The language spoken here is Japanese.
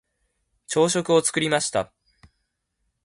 朝食を作りました。